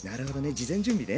事前準備ね。